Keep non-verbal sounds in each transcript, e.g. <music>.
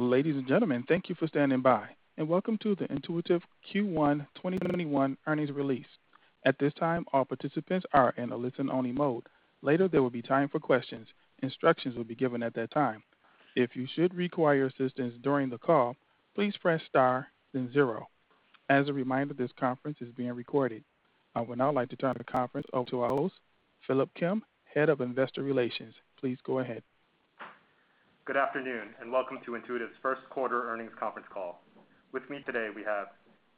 Ladies and gentlemen, thank you for standing by, and welcome to the Intuitive Q1 2021 earnings release. At this time, all participants are in a listen-only mode. Later, there will be time for questions. Instructions will be given at that time. If you should require assistance during the call, please press star then zero. As a reminder, this conference is being recorded. I would now like to turn the conference over to our host, Philip Kim, head of investor relations. Please go ahead. Good afternoon, and welcome to Intuitive's first quarter earnings conference call. With me today, we have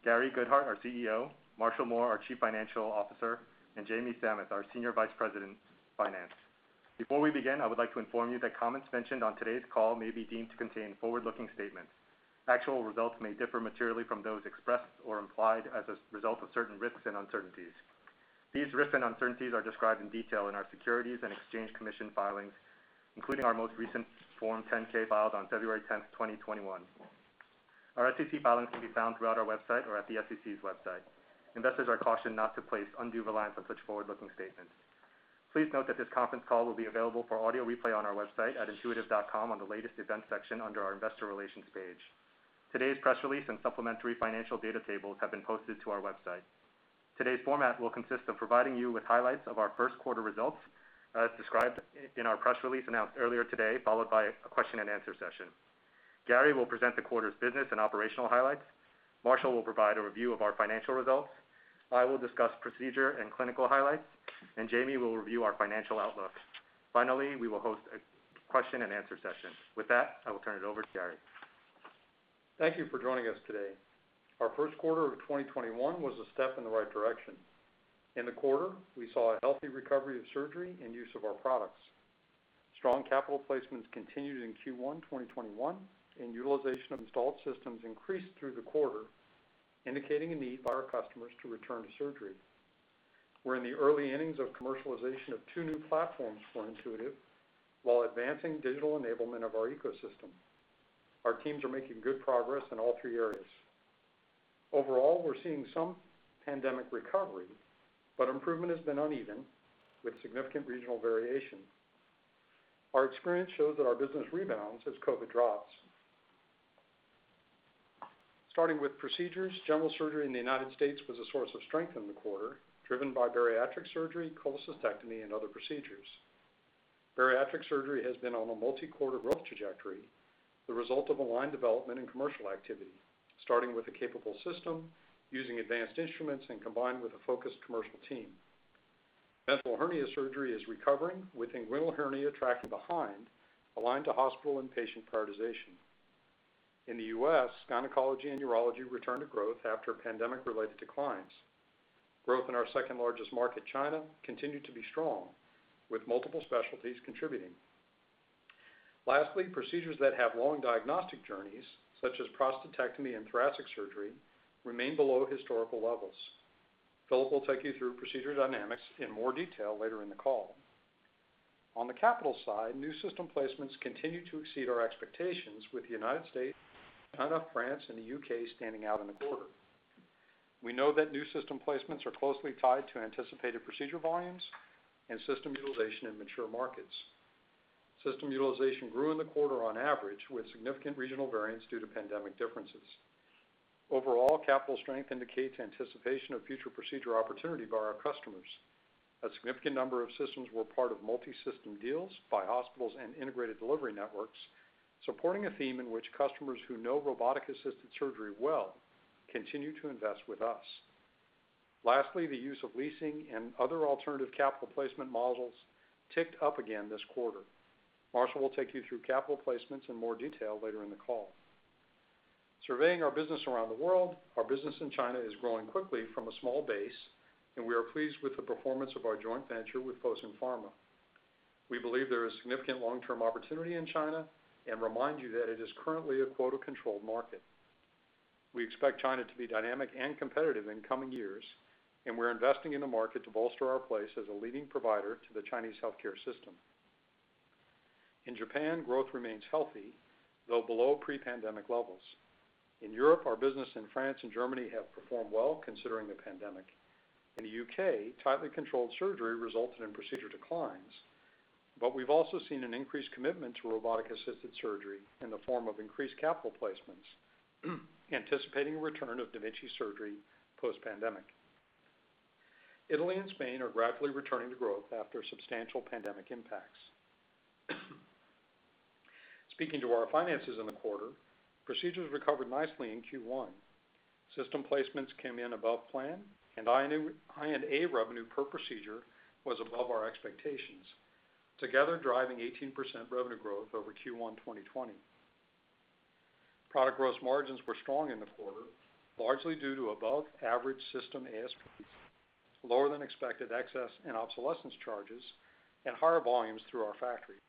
Gary Guthart, our CEO, Marshall Mohr, our Chief Financial Officer, and Jamie Samath, our Senior Vice President of Finance. Before we begin, I would like to inform you that comments mentioned on today's call may be deemed to contain forward-looking statements. Actual results may differ materially from those expressed or implied as a result of certain risks and uncertainties. These risks and uncertainties are described in detail in our Securities and Exchange Commission filings, including our most recent Form 10-K filed on February 10th, 2021. Our SEC filings can be found throughout our website or at the SEC's website. Investors are cautioned not to place undue reliance on such forward-looking statements. Please note that this conference call will be available for audio replay on our website at intuitive.com on the latest events section under our investor relations page. Today's press release and supplementary financial data tables have been posted to our website. Today's format will consist of providing you with highlights of our first quarter results, as described in our press release announced earlier today, followed by a question and answer session. Gary will present the quarter's business and operational highlights. Marshall will provide a review of our financial results. I will discuss procedure and clinical highlights, and Jamie will review our financial outlook. Finally, we will host a question and answer session. With that, I will turn it over to Gary. Thank you for joining us today. Our first quarter of 2021 was a step in the right direction. In the quarter, we saw a healthy recovery of surgery and use of our products. Strong capital placements continued in Q1 2021, and utilization of installed systems increased through the quarter, indicating a need by our customers to return to surgery. We're in the early innings of commercialization of two new platforms for Intuitive while advancing digital enablement of our ecosystem. Our teams are making good progress in all three areas. Overall, we're seeing some pandemic recovery, but improvement has been uneven with significant regional variation. Our experience shows that our business rebounds as COVID drops. Starting with procedures, general surgery in the United States was a source of strength in the quarter, driven by bariatric surgery, cholecystectomy, and other procedures. Bariatric surgery has been on a multi-quarter growth trajectory, the result of aligned development and commercial activity, starting with a capable system using advanced instruments and combined with a focused commercial team. Ventral hernia surgery is recovering, with inguinal hernia tracking behind, aligned to hospital and patient prioritization. In the U.S., gynecology and urology returned to growth after pandemic-related declines. Growth in our second largest market, China, continued to be strong, with multiple specialties contributing. Lastly, procedures that have long diagnostic journeys, such as prostatectomy and thoracic surgery, remain below historical levels. Philip will take you through procedural dynamics in more detail later in the call. On the capital side, new system placements continue to exceed our expectations with the United States, Canada, France, and the U.K. standing out in the quarter. We know that new system placements are closely tied to anticipated procedure volumes and system utilization in mature markets. System utilization grew in the quarter on average, with significant regional variance due to pandemic differences. Overall, capital strength indicates anticipation of future procedure opportunity by our customers. A significant number of systems were part of multi-system deals by hospitals and integrated delivery networks, supporting a theme in which customers who know robotic-assisted surgery well continue to invest with us. Lastly, the use of leasing and other alternative capital placement models ticked up again this quarter. Marshall will take you through capital placements in more detail later in the call. Surveying our business around the world, our business in China is growing quickly from a small base, and we are pleased with the performance of our joint venture with Fosun Pharma. We believe there is significant long-term opportunity in China and remind you that it is currently a quota-controlled market. We expect China to be dynamic and competitive in coming years, and we're investing in the market to bolster our place as a leading provider to the Chinese healthcare system. In Japan, growth remains healthy, though below pre-pandemic levels. In Europe, our business in France and Germany have performed well considering the pandemic. In the U.K., tightly controlled surgery resulted in procedure declines, but we've also seen an increased commitment to robotic-assisted surgery in the form of increased capital placements, anticipating a return of da Vinci surgery post-pandemic. Italy and Spain are gradually returning to growth after substantial pandemic impacts. Speaking to our finances in the quarter, procedures recovered nicely in Q1. System placements came in above plan, and I&A revenue per procedure was above our expectations, together driving 18% revenue growth over Q1 2020. Product gross margins were strong in the quarter, largely due to above-average system ASPs, lower than expected excess and obsolescence charges, and higher volumes through our factory.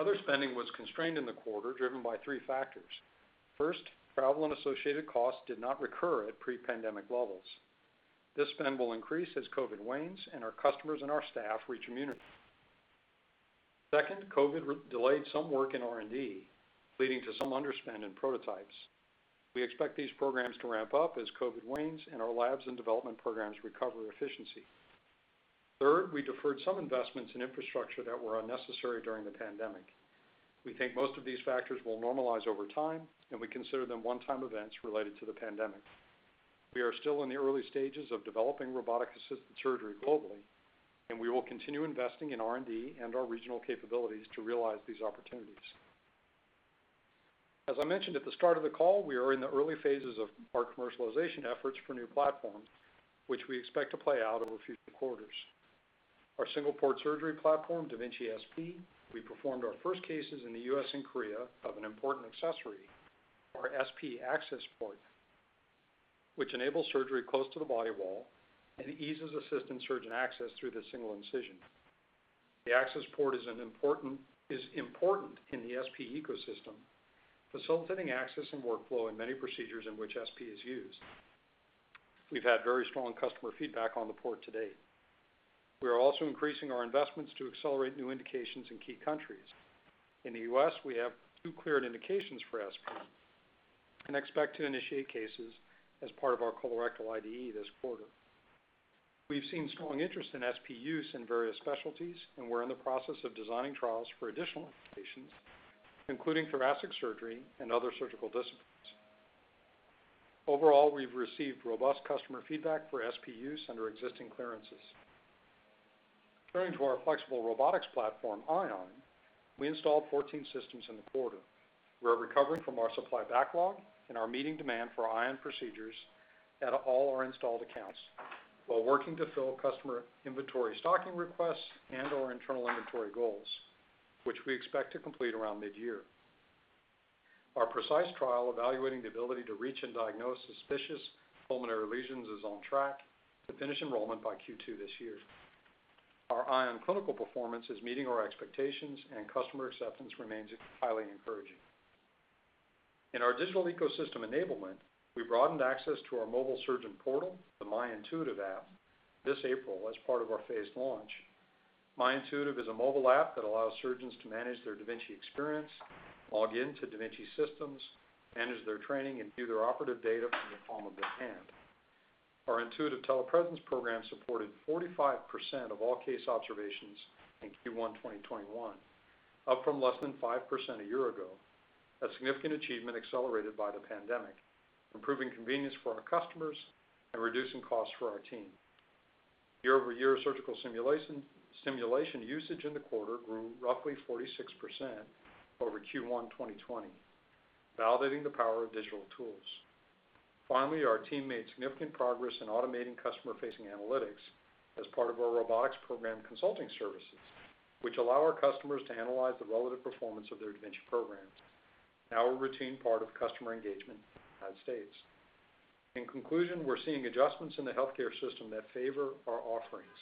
Other spending was constrained in the quarter, driven by three factors. First, travel and associated costs did not recur at pre-pandemic levels. This spend will increase as COVID wanes and our customers and our staff reach immunity. Second, COVID delayed some work in R&D, leading to some underspend in prototypes. We expect these programs to ramp up as COVID wanes and our labs and development programs recover efficiency. Third, we deferred some investments in infrastructure that were unnecessary during the pandemic. We think most of these factors will normalize over time, and we consider them one-time events related to the pandemic. We are still in the early stages of developing robotic-assisted surgery globally, and we will continue investing in R&D and our regional capabilities to realize these opportunities. As I mentioned at the start of the call, we are in the early phases of our commercialization efforts for new platforms, which we expect to play out over a few quarters. Our single-port surgery platform, da Vinci SP, we performed our first cases in the U.S. and Korea of an important accessory, our SP Access Port, which enables surgery close to the body wall and eases assistant surgeon access through the single incision. The Access Port is important in the SP ecosystem, facilitating access and workflow in many procedures in which SP is used. We've had very strong customer feedback on the port to date. We are also increasing our investments to accelerate new indications in key countries. In the U.S., we have two cleared indications for SP and expect to initiate cases as part of our colorectal IDE this quarter. We've seen strong interest in SP use in various specialties, and we're in the process of designing trials for additional indications, including thoracic surgery and other surgical disciplines. Overall, we've received robust customer feedback for SP use under existing clearances. Turning to our flexible robotics platform, Ion, we installed 14 systems in the quarter. We are recovering from our supply backlog and are meeting demand for Ion procedures at all our installed accounts while working to fill customer inventory stocking requests and/or internal inventory goals, which we expect to complete around mid-year. Our PRECiSE trial evaluating the ability to reach and diagnose suspicious pulmonary lesions is on track to finish enrollment by Q2 this year. Our Ion clinical performance is meeting our expectations, and customer acceptance remains highly encouraging. In our digital ecosystem enablement, we broadened access to our mobile surgeon portal, the MyIntuitive app, this April as part of our phased launch. MyIntuitive is a mobile app that allows surgeons to manage their da Vinci experience, log in to da Vinci systems, manage their training, and view their operative data from the palm of their hand. Our Intuitive Telepresence program supported 45% of all case observations in Q1 2021, up from less than 5% a year ago, a significant achievement accelerated by the pandemic, improving convenience for our customers and reducing costs for our team. Year-over-year surgical simulation usage in the quarter grew roughly 46% over Q1 2020, validating the power of digital tools. Finally, our team made significant progress in automating customer-facing analytics as part of our robotics program consulting services, which allow our customers to analyze the relative performance of their da Vinci programs, now a routine part of customer engagement in the States. In conclusion, we're seeing adjustments in the healthcare system that favor our offerings.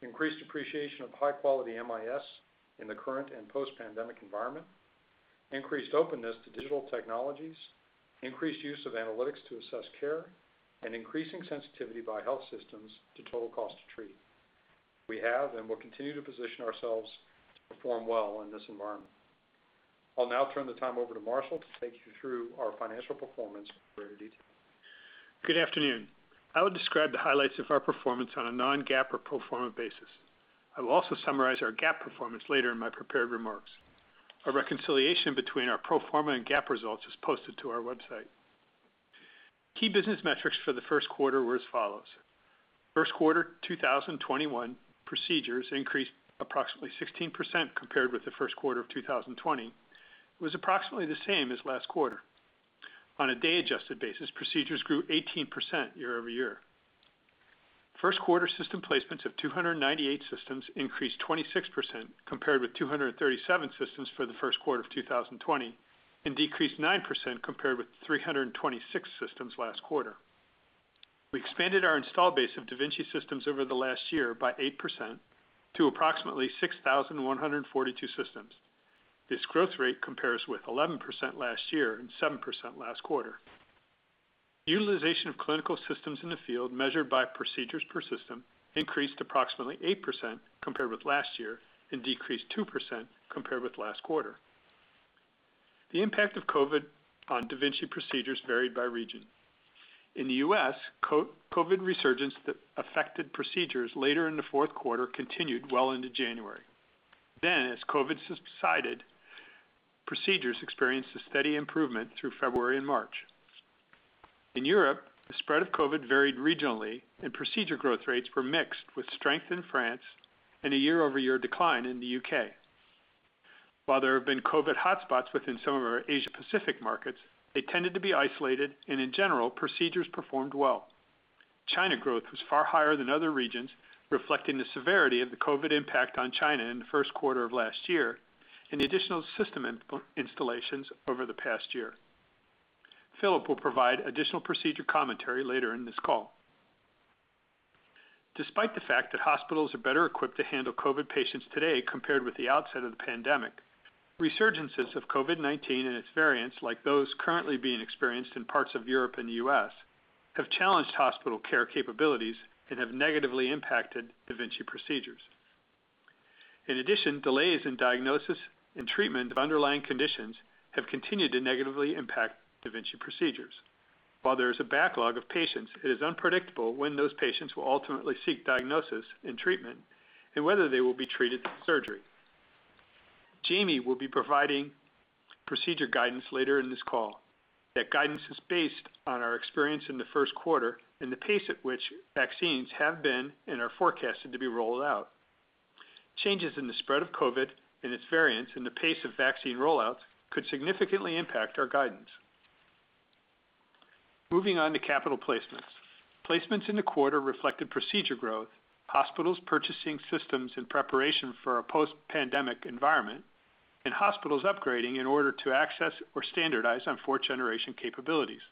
Increased appreciation of high-quality MIS in the current and post-pandemic environment, increased openness to digital technologies, increased use of analytics to assess care, and increasing sensitivity by health systems to total cost to treat. We have and will continue to position ourselves to perform well in this environment. I'll now turn the time over to Marshall to take you through our financial performance for your detail. Good afternoon. I will describe the highlights of our performance on a non-GAAP or pro forma basis. I will also summarize our GAAP performance later in my prepared remarks. A reconciliation between our pro forma and GAAP results is posted to our website. Key business metrics for the first quarter were as follows. First quarter 2021 procedures increased approximately 16% compared with the first quarter of 2020. It was approximately the same as last quarter. On a day-adjusted basis, procedures grew 18% year-over-year. First quarter system placements of 298 systems increased 26% compared with 237 systems for the first quarter of 2020 and decreased 9% compared with 326 systems last quarter. We expanded our install base of da Vinci systems over the last year by 8% to approximately 6,142 systems. This growth rate compares with 11% last year and 7% last quarter. Utilization of clinical systems in the field measured by procedures per system increased approximately 8% compared with last year and decreased 2% compared with last quarter. The impact of COVID on da Vinci procedures varied by region. In the U.S., COVID resurgence that affected procedures later in the fourth quarter continued well into January. As COVID subsided, procedures experienced a steady improvement through February and March. In Europe, the spread of COVID varied regionally, and procedure growth rates were mixed with strength in France and a year-over-year decline in the U.K. While there have been COVID hotspots within some of our Asia-Pacific markets, they tended to be isolated, and in general, procedures performed well. China growth was far higher than other regions, reflecting the severity of the COVID impact on China in the first quarter of last year and the additional system installations over the past year. Philip will provide additional procedure commentary later in this call. Despite the fact that hospitals are better equipped to handle COVID patients today compared with the outset of the pandemic, resurgences of COVID-19 and its variants, like those currently being experienced in parts of Europe and the U.S., have challenged hospital care capabilities and have negatively impacted da Vinci procedures. In addition, delays in diagnosis and treatment of underlying conditions have continued to negatively impact da Vinci procedures. While there is a backlog of patients, it is unpredictable when those patients will ultimately seek diagnosis and treatment, and whether they will be treated through surgery. Jamie will be providing procedure guidance later in this call. That guidance is based on our experience in the first quarter and the pace at which vaccines have been and are forecasted to be rolled out. Changes in the spread of COVID and its variants and the pace of vaccine rollouts could significantly impact our guidance. Moving on to capital placements. Placements in the quarter reflected procedure growth, hospitals purchasing systems in preparation for a post-pandemic environment, and hospitals upgrading in order to access or standardize on fourth-generation capabilities.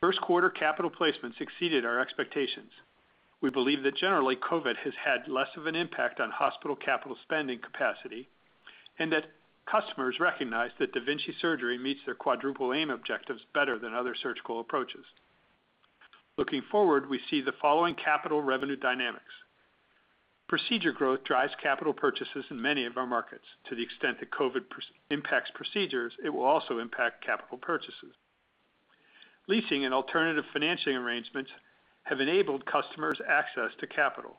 First quarter capital placements exceeded our expectations. We believe that generally, COVID has had less of an impact on hospital capital spending capacity, and that customers recognize that da Vinci surgery meets their quadruple aim objectives better than other surgical approaches. Looking forward, we see the following capital revenue dynamics. Procedure growth drives capital purchases in many of our markets. To the extent that COVID impacts procedures, it will also impact capital purchases. Leasing and alternative financing arrangements have enabled customers access to capital.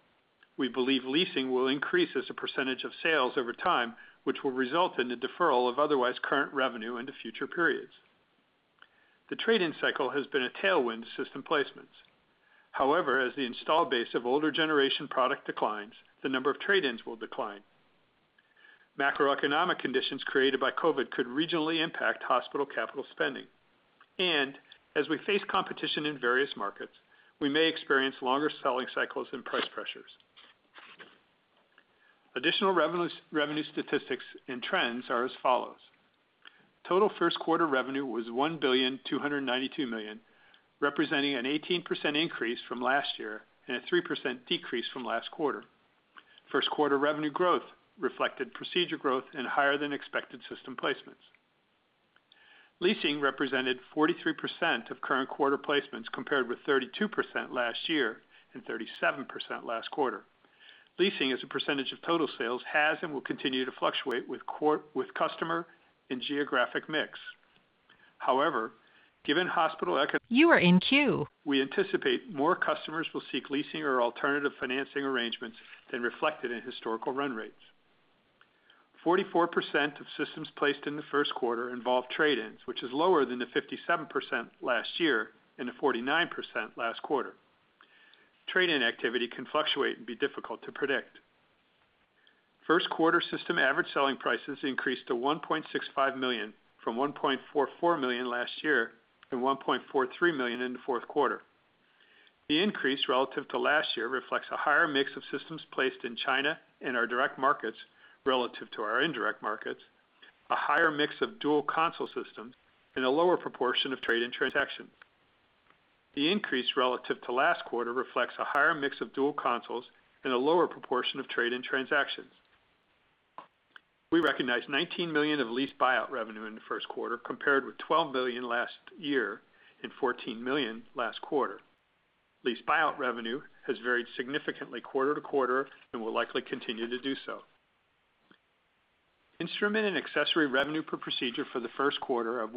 We believe leasing will increase as a percentage of sales over time, which will result in the deferral of otherwise current revenue into future periods. The trade-in cycle has been a tailwind to system placements. As the install base of older generation product declines, the number of trade-ins will decline. Macroeconomic conditions created by COVID could regionally impact hospital capital spending. As we face competition in various markets, we may experience longer selling cycles and price pressures. Additional revenue statistics and trends are as follows. Total first-quarter revenue was $1.292 billion, representing an 18% increase from last year and a 3% decrease from last quarter. First-quarter revenue growth reflected procedure growth and higher than expected system placements. Leasing represented 43% of current quarter placements, compared with 32% last year and 37% last quarter. Leasing as a percentage of total sales has and will continue to fluctuate with customer and geographic mix. However, given hospital eco-. <audio distortion> We anticipate more customers will seek leasing or alternative financing arrangements than reflected in historical run rates. 44% of systems placed in the first quarter involve trade-ins, which is lower than the 57% last year and the 49% last quarter. Trade-in activity can fluctuate and be difficult to predict. First quarter system average selling prices increased to $1.65 million from $1.44 million last year and $1.43 million in the fourth quarter. The increase relative to last year reflects a higher mix of systems placed in China and our direct markets relative to our indirect markets, a higher mix of dual console systems, and a lower proportion of trade-in transactions. The increase relative to last quarter reflects a higher mix of dual consoles and a lower proportion of trade-in transactions. We recognized $19 million of lease buyout revenue in the first quarter, compared with $12 million last year and $14 million last quarter. Lease buyout revenue has varied significantly quarter to quarter and will likely continue to do so. Instrument and accessory revenue per procedure for the first quarter of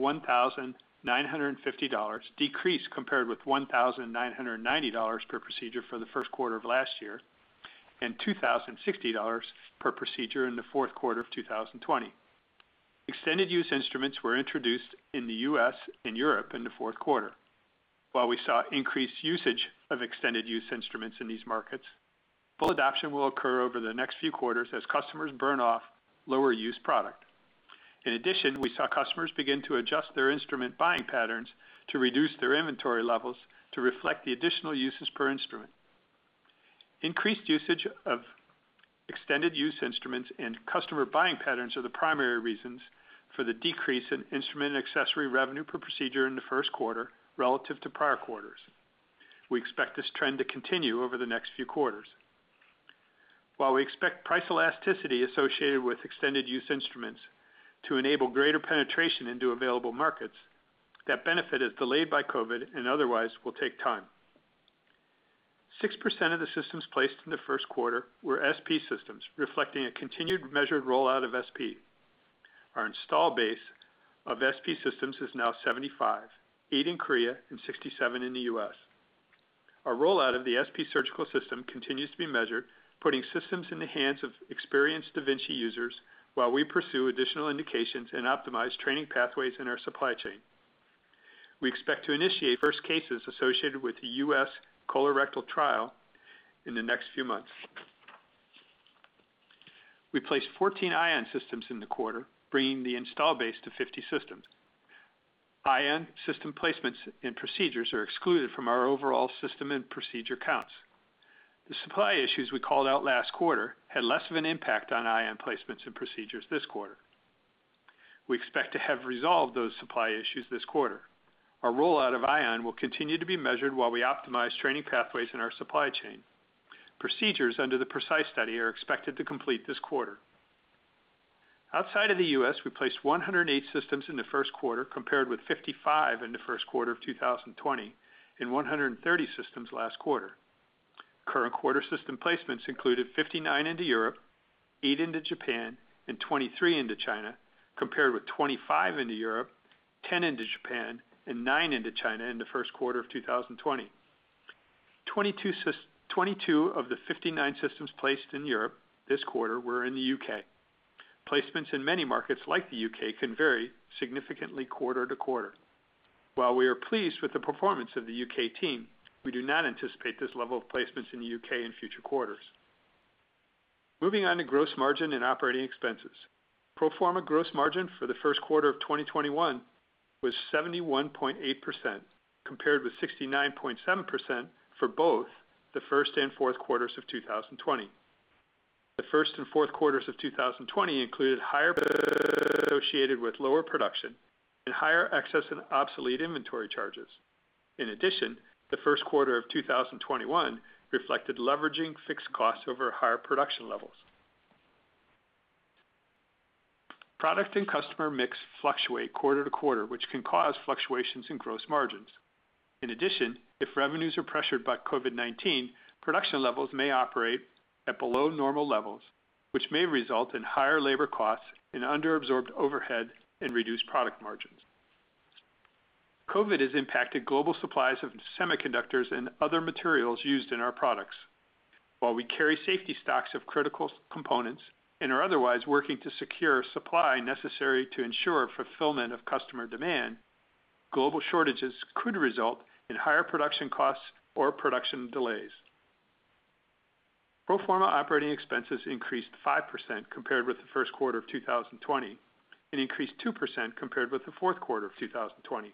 $1,950 decreased compared with $1,990 per procedure for the first quarter of last year, and $2,060 per procedure in the fourth quarter of 2020. Extended use instruments were introduced in the U.S. and Europe in the fourth quarter. While we saw increased usage of extended use instruments in these markets, full adoption will occur over the next few quarters as customers burn off lower use product. In addition, we saw customers begin to adjust their instrument buying patterns to reduce their inventory levels to reflect the additional uses per instrument. Increased usage of extended use instruments and customer buying patterns are the primary reasons for the decrease in instrument and accessory revenue per procedure in the first quarter relative to prior quarters. We expect this trend to continue over the next few quarters. While we expect price elasticity associated with extended use instruments to enable greater penetration into available markets, that benefit is delayed by COVID and otherwise will take time. 6% of the systems placed in the first quarter were SP systems, reflecting a continued measured rollout of SP. Our install base of SP systems is now 75, eight in Korea and 67 in the U.S. Our rollout of the SP surgical system continues to be measured, putting systems in the hands of experienced da Vinci users while we pursue additional indications and optimize training pathways in our supply chain. We expect to initiate first cases associated with the U.S. colorectal trial in the next few months. We placed 14 Ion systems in the quarter, bringing the install base to 50 systems. Ion system placements and procedures are excluded from our overall system and procedure counts. The supply issues we called out last quarter had less of an impact on Ion placements and procedures this quarter. We expect to have resolved those supply issues this quarter. Our rollout of Ion will continue to be measured while we optimize training pathways in our supply chain. Procedures under the PRECiSE study are expected to complete this quarter. Outside of the U.S., we placed 108 systems in the first quarter, compared with 55 in the first quarter of 2020 and 130 systems last quarter. Current quarter system placements included 59 into Europe, eight into Japan, and 23 into China, compared with 25 into Europe, 10 into Japan, and nine into China in Q1 2020. 22 of the 59 systems placed in Europe this quarter were in the U.K. Placements in many markets like the U.K. can vary significantly quarter to quarter. While we are pleased with the performance of the U.K. team, we do not anticipate this level of placements in the U.K. in future quarters. Moving on to gross margin and operating expenses. Pro forma gross margin for the first quarter of 2021 was 71.8%, compared with 69.7% for both the first and fourth quarters of 2020. The the first and fourth quarters of 2020 included higher <audio distortion> associated with lower production and higher excess and obsolete inventory charges. In addition, the first quarter of 2021 reflected leveraging fixed costs over higher production levels. Product and customer mix fluctuate quarter to quarter, which can cause fluctuations in gross margins. In addition, if revenues are pressured by COVID-19, production levels may operate at below normal levels, which may result in higher labor costs and under-absorbed overhead and reduced product margins. COVID has impacted global supplies of semiconductors and other materials used in our products. While we carry safety stocks of critical components and are otherwise working to secure supply necessary to ensure fulfillment of customer demand, global shortages could result in higher production costs or production delays. Pro forma operating expenses increased 5% compared with the first quarter of 2020 and increased 2% compared with the fourth quarter of 2020.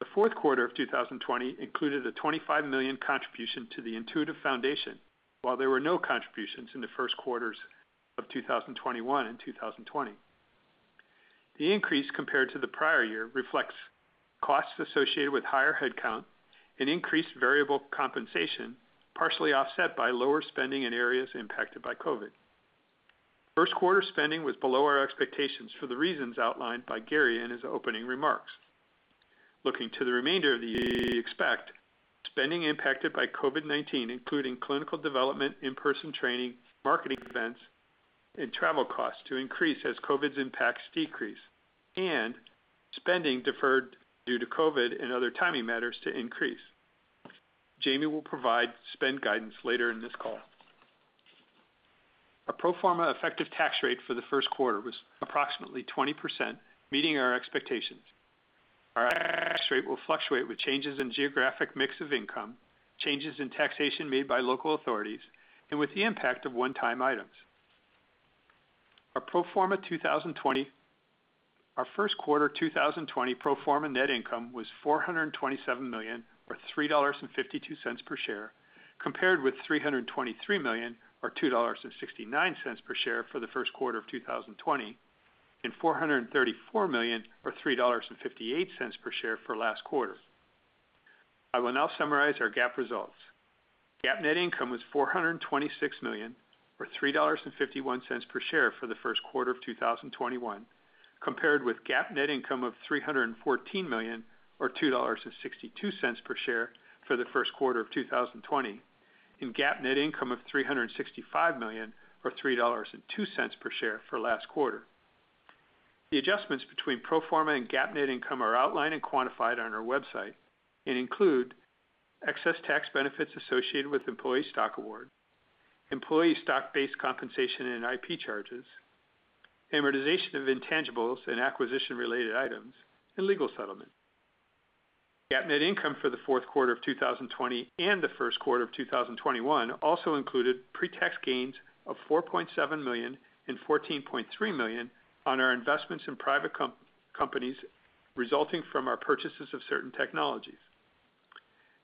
The fourth quarter of 2020 included a $25 million contribution to the Intuitive Foundation, while there were no contributions in the first quarters of 2021 and 2020. The increase compared to the prior year reflects costs associated with higher headcount and increased variable compensation, partially offset by lower spending in areas impacted by COVID. First quarter spending was below our expectations for the reasons outlined by Gary in his opening remarks. Looking to the remainder of the year, we expect spending impacted by COVID-19, including clinical development, in-person training, marketing events, and travel costs to increase as COVID's impacts decrease and spending deferred due to COVID and other timing matters to increase. Jamie will provide spend guidance later in this call. Our pro forma effective tax rate for the first quarter was approximately 20%, meeting our expectations. Our tax rate will fluctuate with changes in geographic mix of income, changes in taxation made by local authorities, and with the impact of one-time items. Our first quarter 2020 pro forma net income was $427 million or $3.52 per share, compared with $323 million or $2.69 per share for the first quarter of 2020 and $434 million or $3.58 per share for last quarter. I will now summarize our GAAP results. GAAP net income was $426 million or $3.51 per share for the first quarter of 2021, compared with GAAP net income of $314 million or $2.62 per share for the first quarter of 2020 and GAAP net income of $365 million or $3.02 per share for last quarter. The adjustments between pro forma and GAAP net income are outlined and quantified on our website and include excess tax benefits associated with employee stock award, employee stock-based compensation and IP charges, amortization of intangibles and acquisition-related items, and legal settlement. GAAP net income for the fourth quarter of 2020 and the first quarter of 2021 also included pre-tax gains of $4.7 million and $14.3 million on our investments in private companies resulting from our purchases of certain technologies.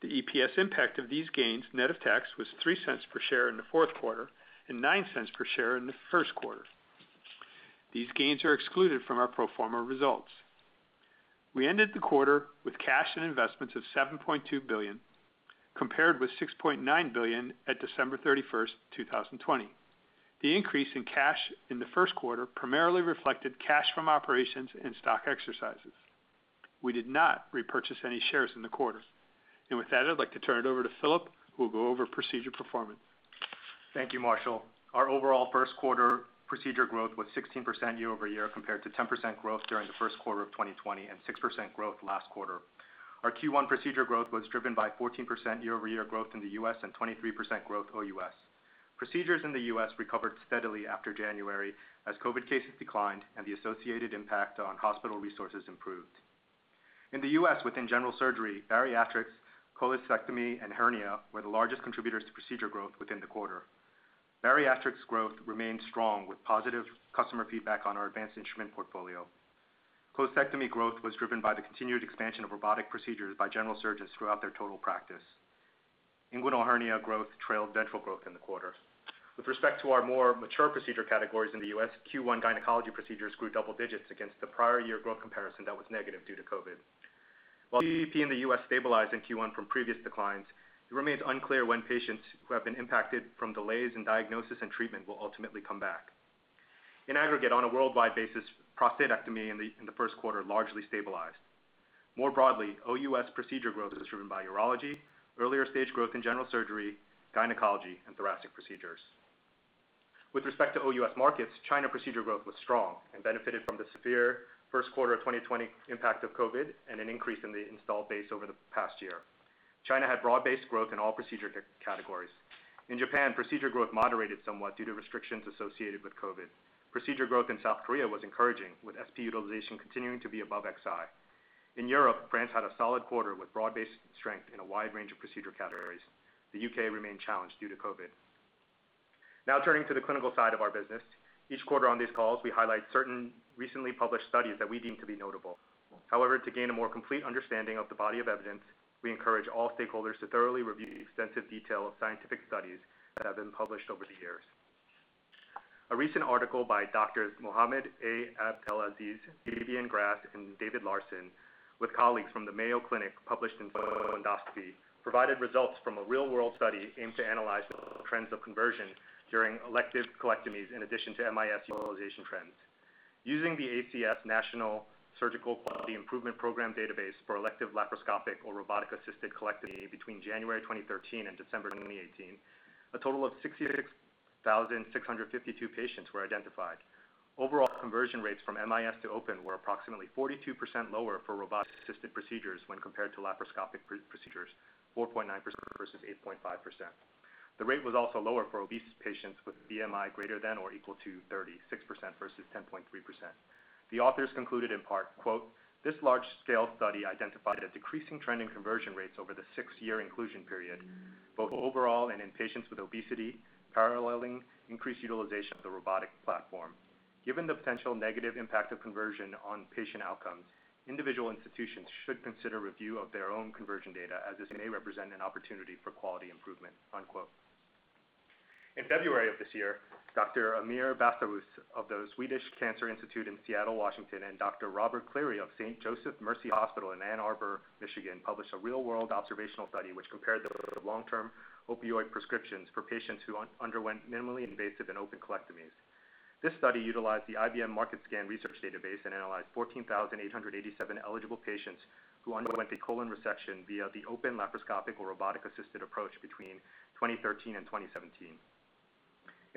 The EPS impact of these gains net of tax was $0.03 per share in the fourth quarter and $0.09 per share in the first quarter. These gains are excluded from our pro forma results. We ended the quarter with cash and investments of $7.2 billion, compared with $6.9 billion at December 31, 2020. The increase in cash in the first quarter primarily reflected cash from operations and stock exercises. We did not repurchase any shares in the quarter. With that, I'd like to turn it over to Philip, who will go over procedure performance. Thank you, Marshall. Our overall first quarter procedure growth was 16% year-over-year compared to 10% growth during the first quarter of 2020 and 6% growth last quarter. Our Q1 procedure growth was driven by 14% year-over-year growth in the U.S. and 23% growth OUS. Procedures in the U.S. recovered steadily after January as COVID cases declined and the associated impact on hospital resources improved. In the U.S. within general surgery, bariatrics, cholecystectomy, and hernia were the largest contributors to procedure growth within the quarter. Bariatrics growth remained strong with positive customer feedback on our advanced instrument portfolio. Cholecystectomy growth was driven by the continued expansion of robotic procedures by general surgeons throughout their total practice. Inguinal hernia growth trailed ventral growth in the quarter. With respect to our more mature procedure categories in the U.S., Q1 gynecology procedures grew double digits against the prior year growth comparison that was negative due to COVID. While PVP in the U.S. stabilized in Q1 from previous declines, it remains unclear when patients who have been impacted from delays in diagnosis and treatment will ultimately come back. In aggregate, on a worldwide basis, prostatectomy in the first quarter largely stabilized. More broadly, OUS procedure growth is driven by urology, earlier stage growth in general surgery, gynecology and thoracic procedures. With respect to OUS markets, China procedure growth was strong and benefited from the severe first quarter of 2020 impact of COVID and an increase in the installed base over the past year. China had broad-based growth in all procedure categories. In Japan, procedure growth moderated somewhat due to restrictions associated with COVID. Procedure growth in South Korea was encouraging, with SP utilization continuing to be above Xi. In Europe, France had a solid quarter with broad-based strength in a wide range of procedure categories. The U.K. remained challenged due to COVID. Now turning to the clinical side of our business. Each quarter on these calls, we highlight certain recently published studies that we deem to be notable. However, to gain a more complete understanding of the body of evidence, we encourage all stakeholders to thoroughly review the extensive detail of scientific studies that have been published over the years. A recent article by Doctors Mohammed A. Abdelaziz, Fabian Grass, and David Larson, with colleagues from the Mayo Clinic, published in Endoscopy, provided results from a real-world study aimed to analyze trends of conversion during elective colectomies, in addition to MIS utilization trends. Using the ACS National Surgical Quality Improvement Program database for elective laparoscopic or robotic-assisted colectomy between January 2013 and December 2018, a total of [66,652] patients were identified. Overall conversion rates from MIS to open were approximately 42% lower for robotic-assisted procedures when compared to laparoscopic procedures, 4.9% versus 8.5%. The rate was also lower for obese patients with BMI greater than or equal to 36% versus 10.3%. The authors concluded in part, quote, "This large-scale study identified a decreasing trend in conversion rates over the six-year inclusion period, both overall and in patients with obesity, paralleling increased utilization of the robotic platform. Given the potential negative impact of conversion on patient outcomes, individual institutions should consider review of their own conversion data, as this may represent an opportunity for quality improvement." Unquote. In February of this year, Doctor Amir Bastawrous of the Swedish Cancer Institute in Seattle, Washington, and Doctor Robert Cleary of St. Joseph Mercy Hospital in Ann Arbor, Michigan, published a real-world observational study which compared the long-term opioid prescriptions for patients who underwent minimally invasive and open colectomies. This study utilized the IBM MarketScan research database and analyzed 14,887 eligible patients who underwent a colon resection via the open laparoscopic or robotic-assisted approach between 2013 and 2017.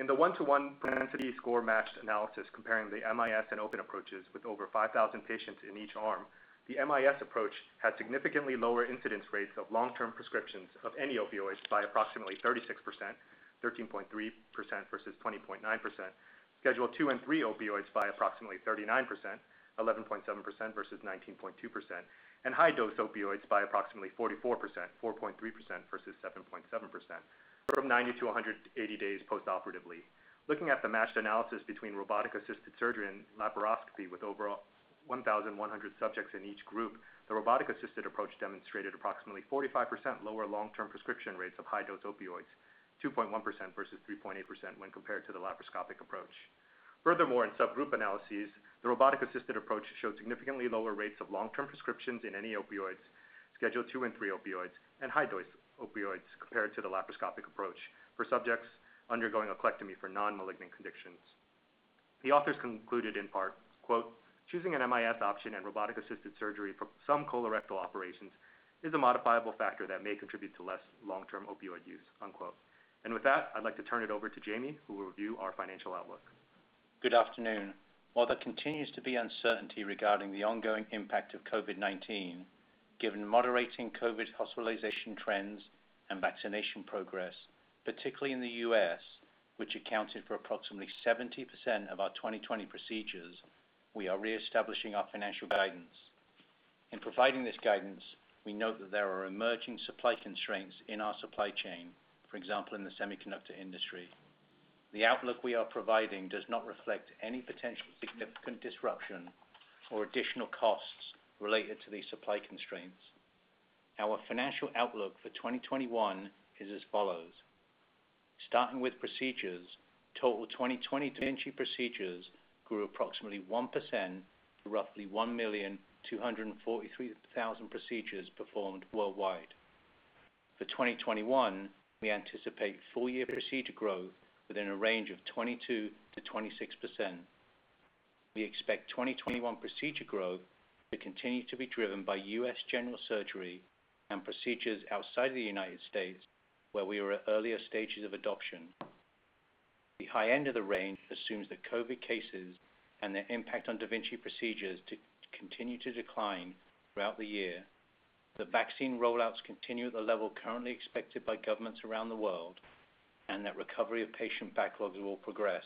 In the one-to-one propensity score matched analysis comparing the MIS and open approaches with over 5,000 patients in each arm, the MIS approach had significantly lower incidence rates of long-term prescriptions of any opioids by approximately 36%, 13.3% versus 20.9%, Schedule 2 and 3 opioids by approximately 39%, 11.7% versus 19.2%, and high-dose opioids by approximately 44%, 4.3% versus 7.7%, from 90-180 days postoperatively. Looking at the matched analysis between robotic-assisted surgery and laparoscopy with over 1,100 subjects in each group, the robotic-assisted approach demonstrated approximately 45% lower long-term prescription rates of high-dose opioids, 2.1% versus 3.8% when compared to the laparoscopic approach. Furthermore, in subgroup analyses, the robotic-assisted approach showed significantly lower rates of long-term prescriptions in any opioids, Schedule 2 and 3 opioids, and high-dose opioids compared to the laparoscopic approach for subjects undergoing a colectomy for non-malignant conditions. The authors concluded in part, quote, "Choosing an MIS option and robotic-assisted surgery for some colorectal operations is a modifiable factor that may contribute to less long-term opioid use." Unquote. With that, I'd like to turn it over to Jamie, who will review our financial outlook. Good afternoon. While there continues to be uncertainty regarding the ongoing impact of COVID-19, given moderating COVID hospitalization trends and vaccination progress, particularly in the U.S., which accounted for approximately 70% of our 2020 procedures, we are reestablishing our financial guidance. In providing this guidance, we note that there are emerging supply constraints in our supply chain. For example, in the semiconductor industry. The outlook we are providing does not reflect any potential significant disruption or additional costs related to these supply constraints. Our financial outlook for 2021 is as follows. Starting with procedures, total 2020 da Vinci procedures grew approximately 1% to roughly 1,243,000 procedures performed worldwide. For 2021, we anticipate full-year procedure growth within a range of 22%-26%. We expect 2021 procedure growth to continue to be driven by U.S. general surgery and procedures outside of the United States, where we are at earlier stages of adoption. The high end of the range assumes that COVID cases and their impact on da Vinci procedures continue to decline throughout the year, that vaccine rollouts continue at the level currently expected by governments around the world, and that recovery of patient backlogs will progress.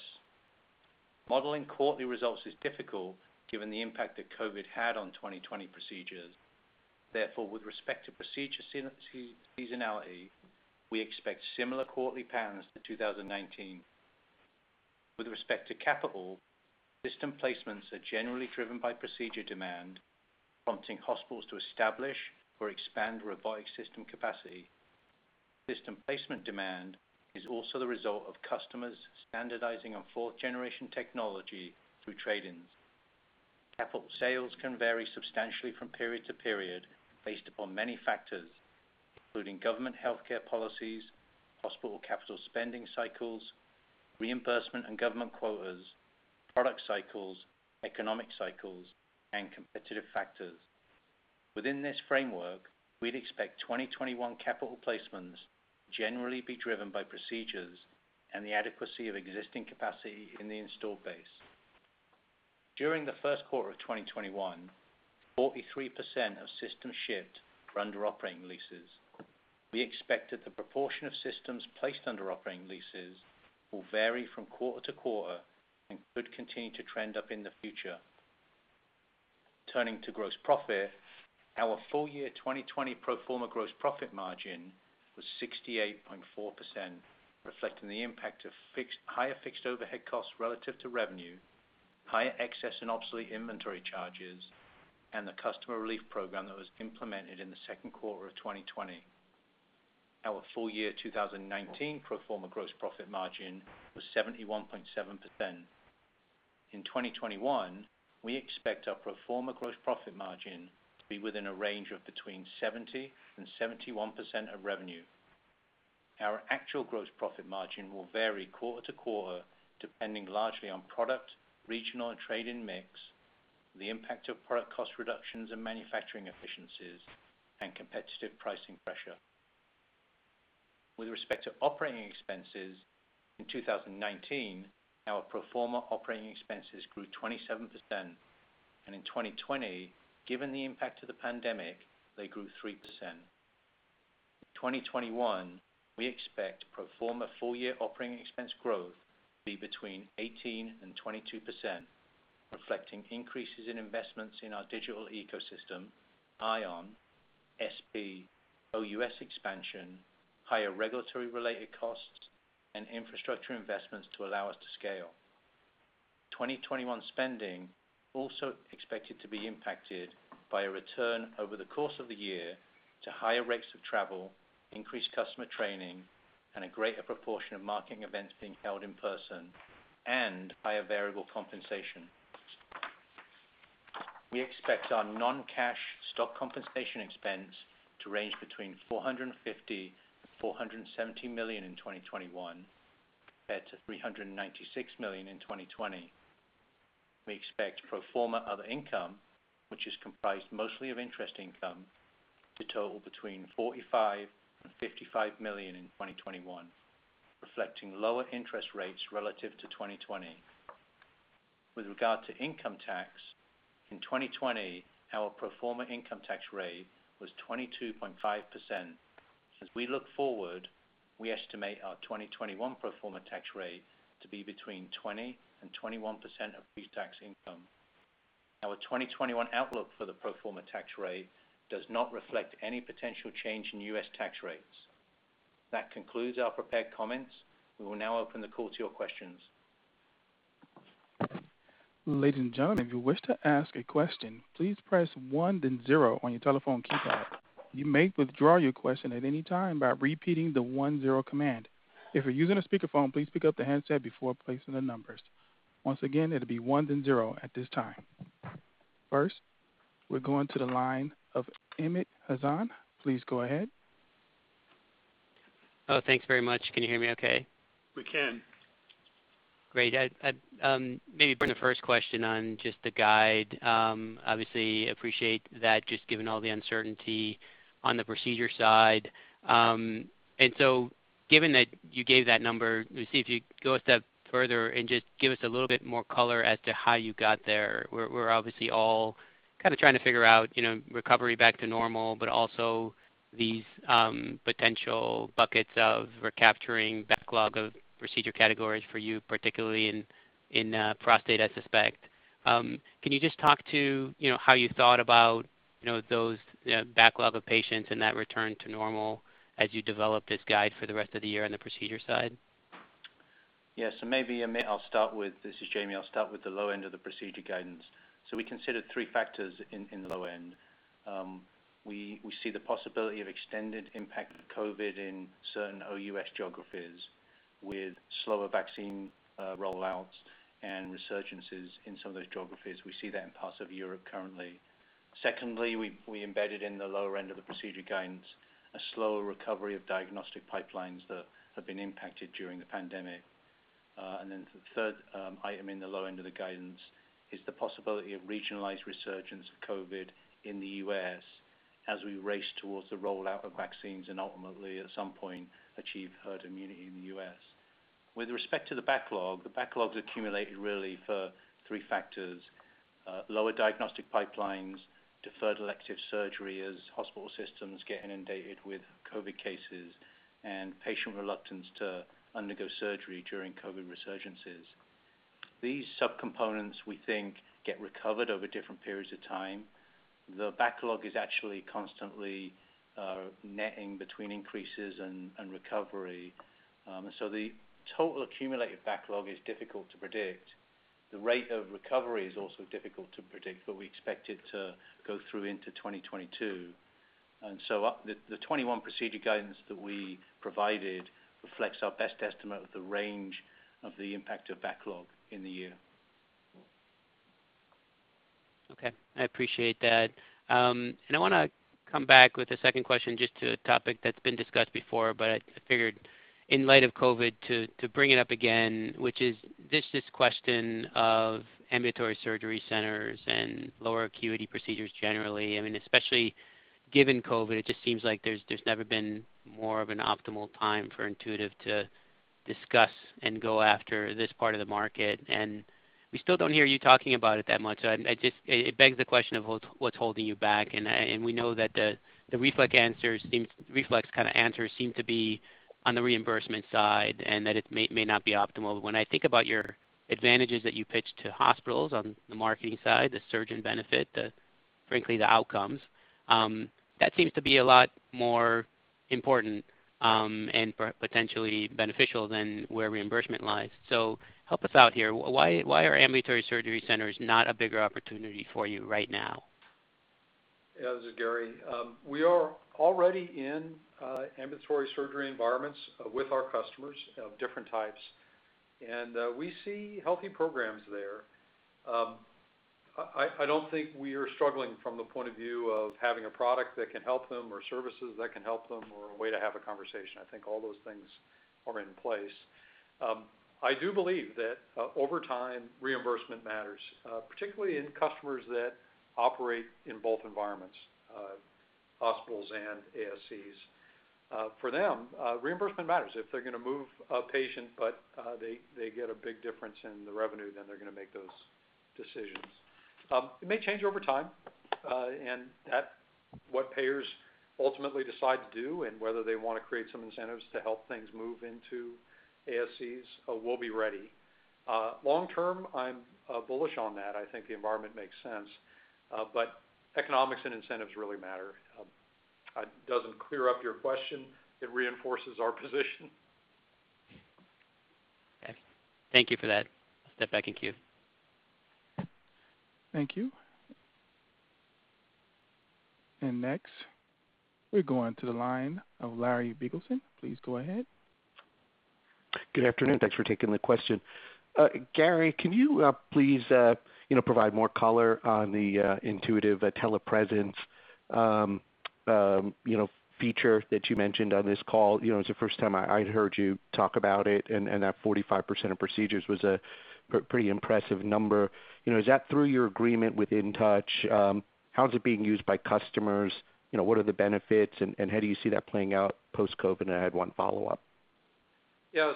Modeling quarterly results is difficult given the impact that COVID had on 2020 procedures. Therefore, with respect to procedure seasonality, we expect similar quarterly patterns to 2019. With respect to capital, system placements are generally driven by procedure demand, prompting hospitals to establish or expand robotic system capacity. System placement demand is also the result of customers standardizing on fourth generation technology through trade-ins. Capital sales can vary substantially from period to period based upon many factors, including government healthcare policies, hospital capital spending cycles, reimbursement and government quotas, product cycles, economic cycles, and competitive factors. Within this framework, we'd expect 2021 capital placements to generally be driven by procedures and the adequacy of existing capacity in the installed base. During the first quarter of 2021, 43% of systems shipped were under operating leases. We expect that the proportion of systems placed under operating leases will vary from quarter to quarter and could continue to trend up in the future. Turning to gross profit, our full year 2020 pro forma gross profit margin was 68.4%, reflecting the impact of higher fixed overhead costs relative to revenue, higher excess and obsolete inventory charges, and the customer relief program that was implemented in the second quarter of 2020. Our full year 2019 pro forma gross profit margin was 71.7%. In 2021, we expect our pro forma gross profit margin to be within a range of between 70% and 71% of revenue. Our actual gross profit margin will vary quarter to quarter, depending largely on product, regional and trade-in mix, the impact of product cost reductions and manufacturing efficiencies, and competitive pricing pressure. With respect to operating expenses, in 2019, our pro forma operating expenses grew 27%, and in 2020, given the impact of the pandemic, they grew 3%. In 2021, we expect pro forma full-year operating expense growth to be between 18% and 22%, reflecting increases in investments in our digital ecosystem, Ion, SP, OUS expansion, higher regulatory related costs, and infrastructure investments to allow us to scale. 2021 spending also expected to be impacted by a return over the course of the year to higher rates of travel, increased customer training, and a greater proportion of marketing events being held in person, and higher variable compensation. We expect our non-cash stock compensation expense to range between $450 million and $470 million in 2021, compared to $396 million in 2020. We expect pro forma other income, which is comprised mostly of interest income, to total between $45 million and $55 million in 2021, reflecting lower interest rates relative to 2020. With regard to income tax, in 2020, our pro forma income tax rate was 22.5%. As we look forward, we estimate our 2021 pro forma tax rate to be between 20% and 21% of pre-tax income. Our 2021 outlook for the pro forma tax rate does not reflect any potential change in U.S. tax rates. That concludes our prepared comments. We will now open the call to your questions. Ladies and gentlemen, if you wish yo ask a question, please press one then zero on your telephone keypad. You may withdraw your question at any time by repeating the one zero command. If you're using a speaker phone, please pick up the handset before pressing the numbers. Once again, it'll be one zero at this time. First, we're going to the line of Amit Hazan. Please go ahead. Oh, thanks very much. Can you hear me okay? We can. Great. Maybe for the first question on just the guide. Obviously appreciate that just given all the uncertainty on the procedure side. Given that you gave that number, let me see if you could go a step further and just give us a little bit more color as to how you got there. We're obviously all kind of trying to figure out recovery back to normal, but also these potential buckets of recapturing backlog of procedure categories for you, particularly in prostate, I suspect. Can you just talk to how you thought about those backlog of patients and that return to normal as you develop this guide for the rest of the year on the procedure side? Maybe, Amit, this is Jamie. I'll start with the low end of the procedure guidance. We considered three factors in the low end. We see the possibility of extended impact of COVID in certain OUS geographies with slower vaccine rollouts and resurgences in some of those geographies. We see that in parts of Europe currently. Secondly, we embedded in the lower end of the procedure guidance a slower recovery of diagnostic pipelines that have been impacted during the pandemic. For the third item in the low end of the guidance is the possibility of regionalized resurgence of COVID in the U.S. as we race towards the rollout of vaccines and ultimately, at some point, achieve herd immunity in the U.S. With respect to the backlog, the backlogs accumulated really for three factors. Lower diagnostic pipelines, deferred elective surgery as hospital systems get inundated with COVID cases, and patient reluctance to undergo surgery during COVID resurgences. These sub-components, we think, get recovered over different periods of time. The backlog is actually constantly netting between increases and recovery. The total accumulated backlog is difficult to predict. The rate of recovery is also difficult to predict, but we expect it to go through into 2022. The 2021 procedure guidance that we provided reflects our best estimate of the range of the impact of backlog in the year. Okay, I appreciate that. I want to come back with a second question just to a topic that's been discussed before, but I figured in light of COVID to bring it up again, which is just this question of ambulatory surgery centers and lower acuity procedures generally. Especially given COVID, it just seems like there's never been more of an optimal time for Intuitive to discuss and go after this part of the market. We still don't hear you talking about it that much. It begs the question of what's holding you back? We know that the reflex kind of answers seem to be on the reimbursement side and that it may not be optimal. When I think about your advantages that you pitch to hospitals on the marketing side, the surgeon benefit, frankly, the outcomes, that seems to be a lot more important, and potentially beneficial than where reimbursement lies. Help us out here. Why are Ambulatory Surgery Centers not a bigger opportunity for you right now? Yeah, this is Gary. We are already in ambulatory surgery environments with our customers of different types, and we see healthy programs there. I don't think we are struggling from the point of view of having a product that can help them or services that can help them or a way to have a conversation. I think all those things are in place. I do believe that over time reimbursement matters, particularly in customers that operate in both environments, hospitals and ASCs. For them reimbursement matters. If they're going to move a patient but they get a big difference in the revenue, then they're going to make those decisions. It may change over time, and what payers ultimately decide to do and whether they want to create some incentives to help things move into ASCs, we'll be ready. Long term, I'm bullish on that. I think the environment makes sense. Economics and incentives really matter. It doesn't clear up your question. It reinforces our position. Okay. Thank you for that. Step back in queue. Thank you. Next, we're going to the line of Larry Biegelsen. Please go ahead. Good afternoon. Thanks for taking the question. Gary, can you please provide more color on the Intuitive Telepresence feature that you mentioned on this call? It's the first time I heard you talk about it, and that 45% of procedures was a pretty impressive number. Is that through your agreement with InTouch? How is it being used by customers? What are the benefits, and how do you see that playing out post-COVID? I had one follow-up. Yeah.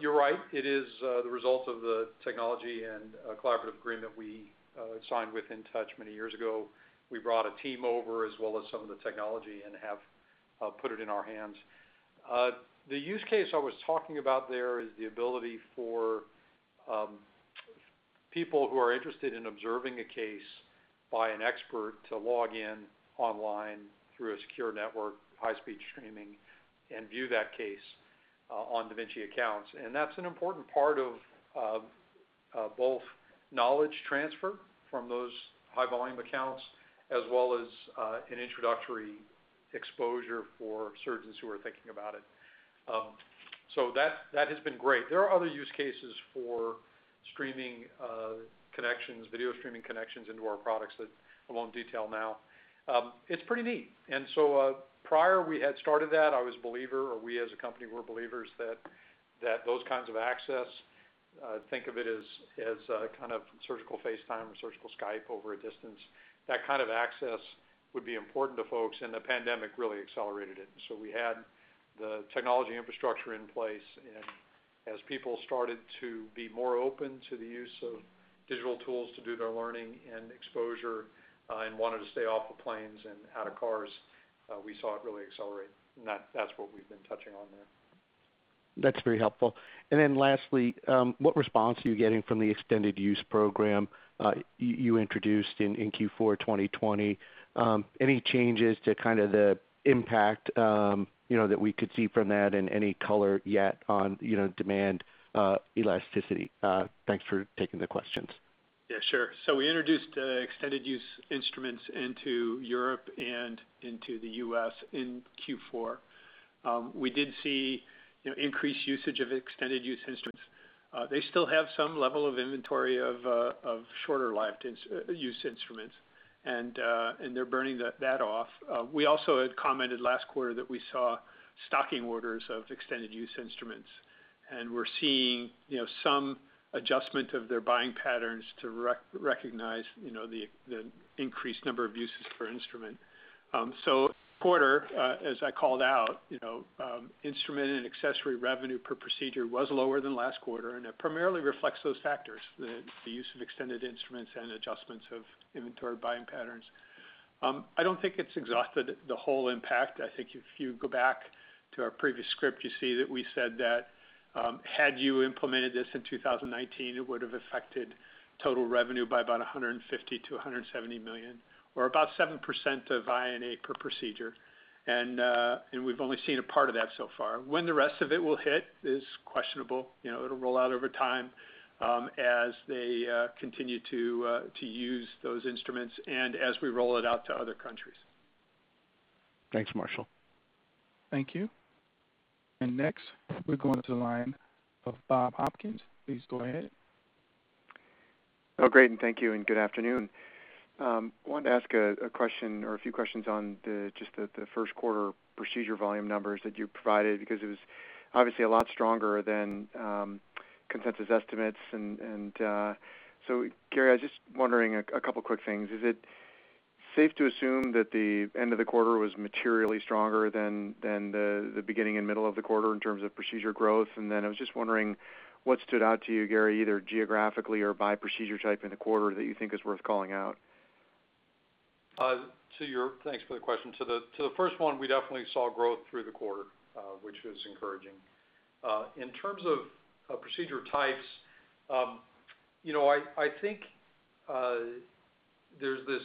You're right. It is the result of the technology and collaborative agreement we signed with InTouch many years ago. We brought a team over as well as some of the technology and have put it in our hands. The use case I was talking about there is the ability for people who are interested in observing a case by an expert to log in online through a secure network, high-speed streaming, and view that case on da Vinci accounts. That's an important part of both knowledge transfer from those high-volume accounts as well as an introductory exposure for surgeons who are thinking about it. That has been great. There are other use cases for video streaming connections into our products that I won't detail now. It's pretty neat. Prior we had started that, I was a believer, or we as a company were believers that those kinds of access, think of it as kind of surgical FaceTime or surgical Skype over a distance. That kind of access would be important to folks. The pandemic really accelerated it. We had the technology infrastructure in place, and as people started to be more open to the use of digital tools to do their learning and exposure and wanted to stay off of planes and out of cars, we saw it really accelerate. That's what we've been touching on there. That's very helpful. Lastly, what response are you getting from the extended use program you introduced in Q4 2020? Any changes to the impact that we could see from that and any color yet on demand elasticity? Thanks for taking the questions. Yeah, sure. We introduced extended use instruments into Europe and into the U.S. in Q4. We did see increased usage of extended use instruments. They still have some level of inventory of shorter life use instruments, and they're burning that off. We also had commented last quarter that we saw stocking orders of extended use instruments, and we're seeing some adjustment of their buying patterns to recognize the increased number of uses per instrument. Quarter, as I called out, instrument and accessory revenue per procedure was lower than last quarter, and it primarily reflects those factors, the use of extended instruments and adjustments of inventory buying patterns. I don't think it's exhausted the whole impact. I think if you go back to our previous script, you see that we said that had you implemented this in 2019, it would have affected Total revenue by about $150 million-$170 million, or about 7% of I&A per procedure. We've only seen a part of that so far. When the rest of it will hit is questionable. It'll roll out over time as they continue to use those instruments and as we roll it out to other countries. Thanks, Marshall. Thank you. Next, we go on to the line of Bob Hopkins. Please go ahead. Oh, great. Thank you, and good afternoon. I wanted to ask a question or a few questions on just the first quarter procedure volume numbers that you provided, because it was obviously a lot stronger than consensus estimates. Gary, I was just wondering a couple quick things. Is it safe to assume that the end of the quarter was materially stronger than the beginning and middle of the quarter in terms of procedure growth? I was just wondering what stood out to you, Gary, either geographically or by procedure type in the quarter that you think is worth calling out? Thanks for the question. The first one, we definitely saw growth through the quarter, which was encouraging. In terms of procedure types, I think there's this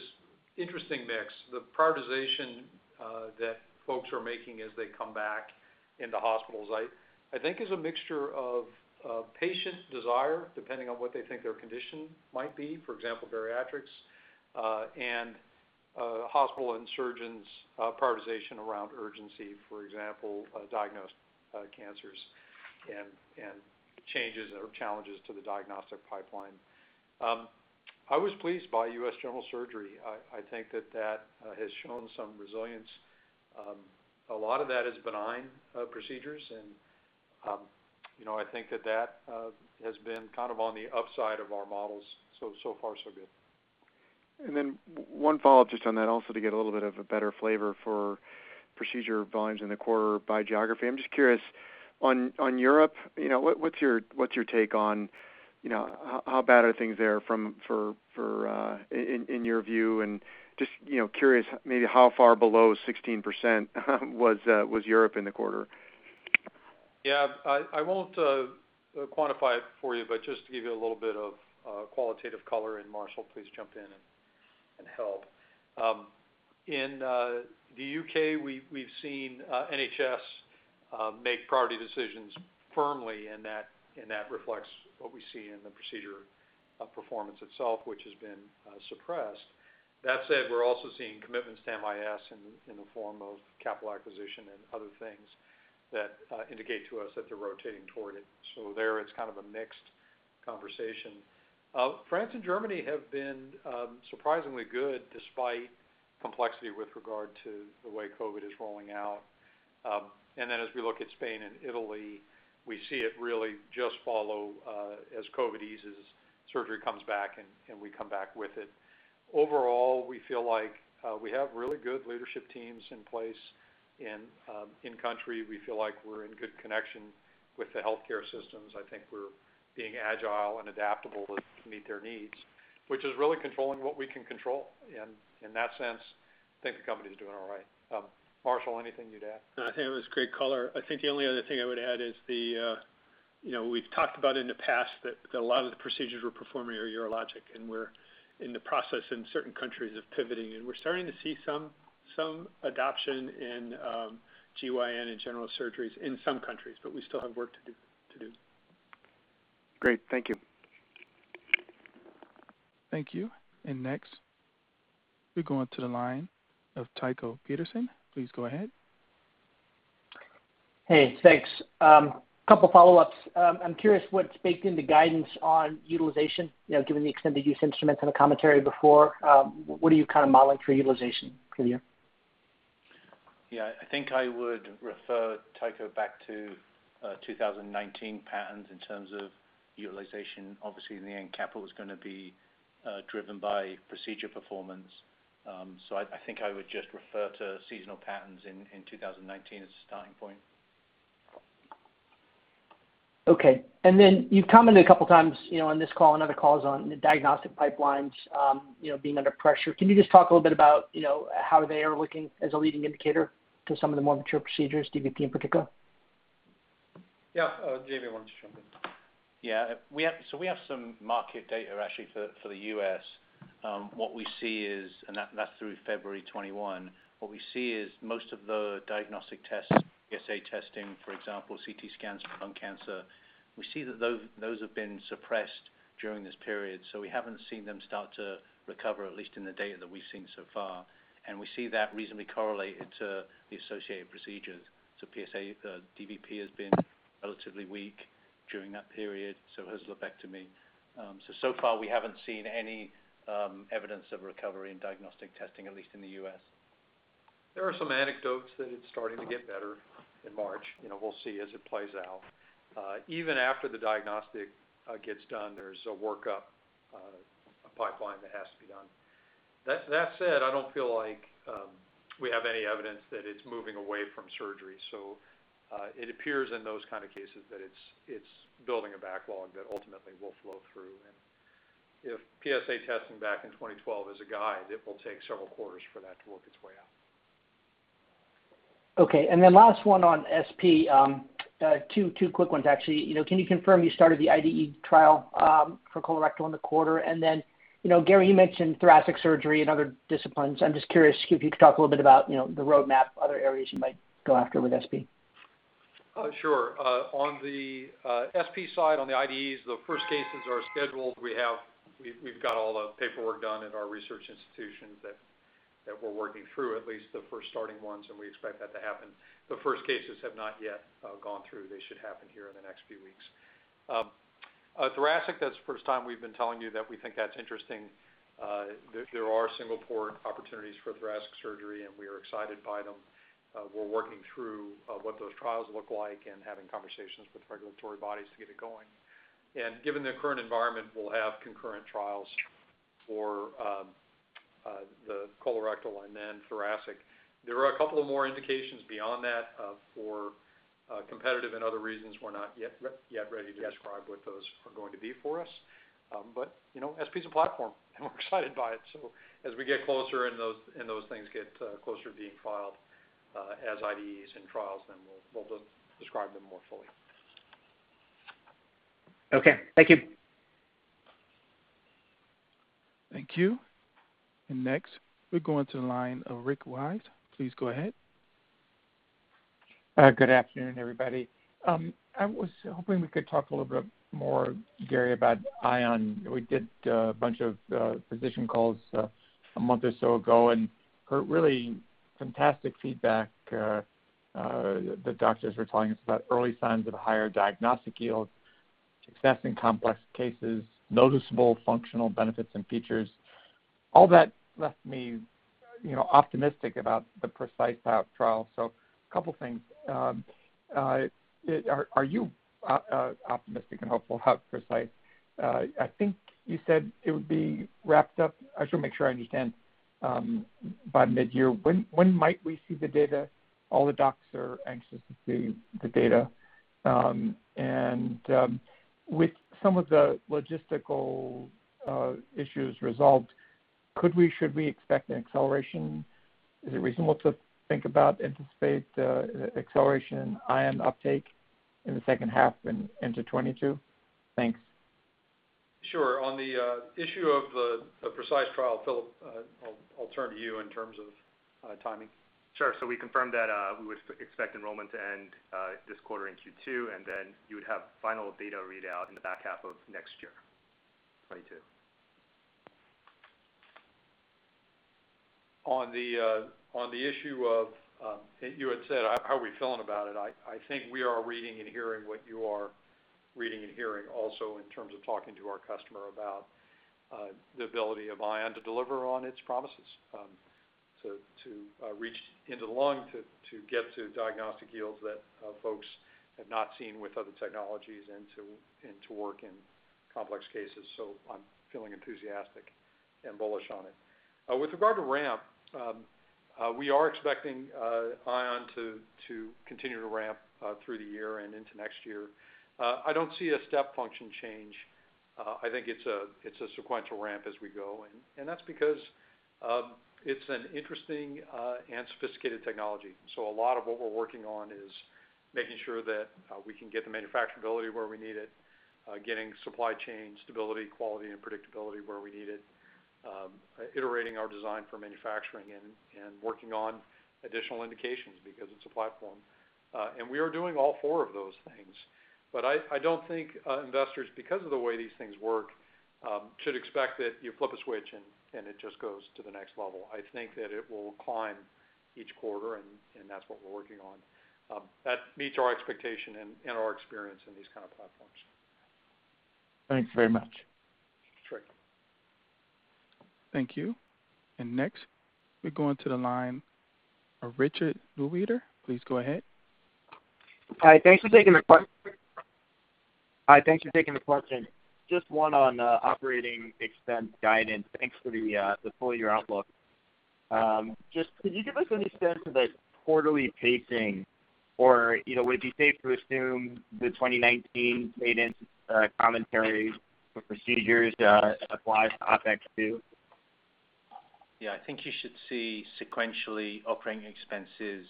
interesting mix. The prioritization that folks are making as they come back into hospitals, I think is a mixture of patient desire, depending on what they think their condition might be, for example, bariatrics, and hospital and surgeons' prioritization around urgency. For example, diagnosed cancers and changes or challenges to the diagnostic pipeline. I was pleased by U.S. general surgery. I think that that has shown some resilience. A lot of that is benign procedures, and I think that that has been kind of on the upside of our models. So far, so good. One follow-up just on that also to get a little bit of a better flavor for procedure volumes in the quarter by geography. I'm just curious on Europe, what's your take on how bad are things there in your view, and just curious maybe how far below 16% was Europe in the quarter? Yeah, I won't quantify it for you, but just to give you a little bit of qualitative color, and Marshall, please jump in and help. In the U.K., we've seen NHS make priority decisions firmly, and that reflects what we see in the procedure performance itself, which has been suppressed. That said, we're also seeing commitments to MIS in the form of capital acquisition and other things that indicate to us that they're rotating toward it. There it's kind of a mixed conversation. France and Germany have been surprisingly good despite complexity with regard to the way COVID is rolling out. As we look at Spain and Italy, we see it really just follow as COVID eases, surgery comes back, and we come back with it. Overall, we feel like we have really good leadership teams in place in country. We feel like we're in good connection with the healthcare systems. I think we're being agile and adaptable to meet their needs, which is really controlling what we can control. In that sense, I think the company's doing all right. Marshall, anything you'd add? No, I think that was great color. I think the only other thing I would add is we've talked about in the past that a lot of the procedures we're performing are urologic. We're in the process in certain countries of pivoting. We're starting to see some adoption in GYN and general surgeries in some countries. We still have work to do. Great. Thank you. Thank you. Next, we go on to the line of Tycho Peterson. Please go ahead. Hey, thanks. Couple follow-ups. I'm curious what's baked into guidance on utilization, given the extended use instruments and the commentary before, what are you kind of modeling for utilization for the year? I think I would refer, Tycho, back to 2019 patterns in terms of utilization. Obviously, in the end, capital is going to be driven by procedure performance. I think I would just refer to seasonal patterns in 2019 as a starting point. Okay. You've commented a couple times, on this call and other calls on the diagnostic pipelines being under pressure. Can you just talk a little bit about how they are looking as a leading indicator to some of the more mature procedures, dVP in particular? Yeah. Jamie wants to jump in. Yeah. We have some market data, actually, for the U.S. What we see is, and that's through February 2021, what we see is most of the diagnostic tests, PSA testing, for example, CT scans for lung cancer, we see that those have been suppressed during this period. We haven't seen them start to recover, at least in the data that we've seen so far. We see that reasonably correlated to the associated procedures. PSA dVP has been relatively weak during that period, so has lobectomy. So far we haven't seen any evidence of recovery in diagnostic testing, at least in the U.S. There are some anecdotes that it's starting to get better in March. We'll see as it plays out. Even after the diagnostic gets done, there's a workup, a pipeline that has to be done. That said, I don't feel like we have any evidence that it's moving away from surgery. It appears in those kind of cases that it's building a backlog that ultimately will flow through. If PSA testing back in 2012 is a guide, it will take several quarters for that to work its way out. Okay. Last one on SP. Two quick ones, actually. Can you confirm you started the IDE trial for colorectal in the quarter? Gary, you mentioned thoracic surgery and other disciplines. I'm just curious if you could talk a little bit about the roadmap, other areas you might go after with SP. Sure. On the SP side, on the IDEs, the first cases are scheduled. We've got all the paperwork done in our research institutions that we're working through, at least the first starting ones, and we expect that to happen. The first cases have not yet gone through. They should happen here in the next few weeks. Thoracic, that's the first time we've been telling you that we think that's interesting. There are single-port opportunities for thoracic surgery, and we are excited by them. We're working through what those trials look like and having conversations with regulatory bodies to get it going. Given the current environment, we'll have concurrent trials for the colorectal and then thoracic. There are a couple of more indications beyond that. For competitive and other reasons, we're not yet ready to describe what those are going to be for us. SP is a platform, and we're excited by it. As we get closer and those things get closer to being filed as IDEs and trials, we'll describe them more fully. Okay. Thank you. Thank you. Next, we go into the line of Rick Wise. Please go ahead. Good afternoon, everybody. I was hoping we could talk a little bit more, Gary, about Ion. We did a bunch of physician calls a month or so ago and heard really fantastic feedback. The doctors were telling us about early signs of higher diagnostic yield, success in complex cases, noticeable functional benefits and features. All that left me optimistic about the PRECiSE trial. A couple things. Are you optimistic and hopeful about PRECiSE? I think you said it would be wrapped up, I just want to make sure I understand, by mid-year. When might we see the data? All the docs are anxious to see the data. With some of the logistical issues resolved, should we expect an acceleration? Is it reasonable to think about anticipated acceleration in Ion uptake in the second half and into 2022? Thanks. Sure. On the issue of the PRECiSE trial, Philip, I'll turn to you in terms of timing. Sure. We confirmed that we would expect enrollment to end this quarter in Q2. You would have final data readout in the back half of next year, 2022. On the issue of, you had said, how are we feeling about it? I think we are reading and hearing what you are reading and hearing also in terms of talking to our customer about the ability of Ion to deliver on its promises. To reach into the lung, to get to diagnostic yields that folks have not seen with other technologies, and to work in complex cases. I'm feeling enthusiastic and bullish on it. With regard to ramp, we are expecting Ion to continue to ramp through the year and into next year. I don't see a step function change. I think it's a sequential ramp as we go, and that's because it's an interesting and sophisticated technology. A lot of what we're working on is making sure that we can get the manufacturability where we need it, getting supply chain stability, quality, and predictability where we need it, iterating our design for manufacturing, and working on additional indications because it's a platform. We are doing all four of those things. I don't think investors, because of the way these things work, should expect that you flip a switch and it just goes to the next level. I think that it will climb each quarter, and that's what we're working on. That meets our expectation and our experience in these kind of platforms. Thanks very much. Sure. Thank you. Next, we go into the line of Richard Newitter. Please go ahead. Hi. Thanks for taking the question. Just one on operating expense guidance. Thanks for the full-year outlook. Just could you give us an sense of the quarterly pacing? Or would it be safe to assume the 2019 guidance commentary for procedures applies to OpEx too? Yeah. I think you should see sequentially operating expenses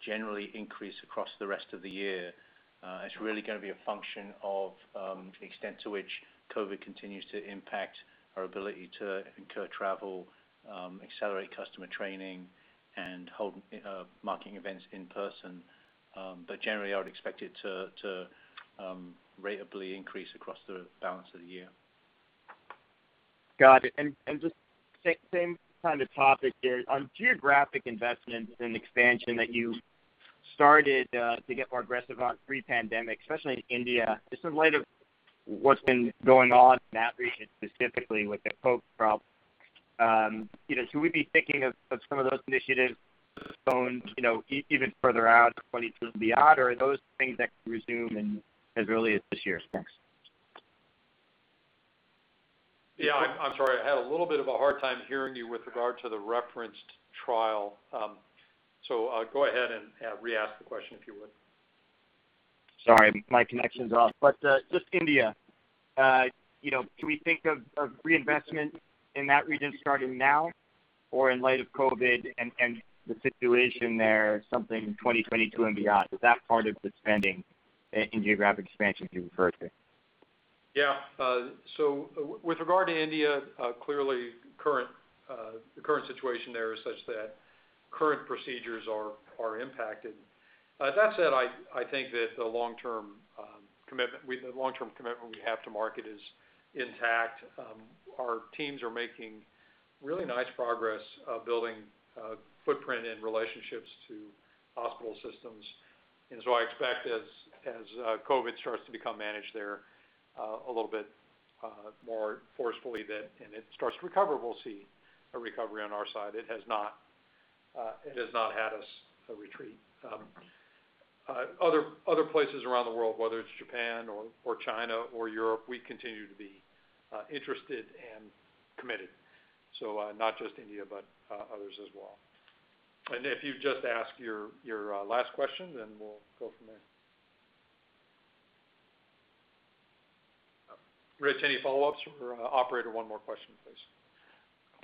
generally increase across the rest of the year. It's really going to be a function of the extent to which COVID continues to impact our ability to incur travel, accelerate customer training, and hold marketing events in person. Generally, I would expect it to ratably increase across the balance of the year. Got it. Just same kind of topic there. On geographic investments and expansion that you started to get more aggressive on pre-pandemic, especially in India. Just in light of what's been going on in that region, specifically with the COVID problem, should we be thinking of some of those initiatives <audio distortion> even further out in 2022 and beyond, or are those things that can resume in as early as this year? Thanks. I'm sorry, I had a little bit of a hard time hearing you with regard to the referenced trial. Go ahead and re-ask the question, if you would. Sorry, my connection's off. Just India. Can we think of reinvestment in that region starting now? In light of COVID and the situation there, something 2022 and beyond? Is that part of the spending in geographic expansion you referred to? With regard to India, clearly the current situation there is such that current procedures are impacted. That said, I think that the long-term commitment we have to market is intact. Our teams are making really nice progress building footprint and relationships to hospital systems. I expect as COVID starts to become managed there a little bit more forcefully, and it starts to recover, we'll see a recovery on our side. It has not had us retreat. Other places around the world, whether it's Japan or China or Europe, we continue to be interested and committed. Not just India, but others as well. If you've just asked your last question, we'll go from there. Rich, any follow-ups? Operator, one more question, please.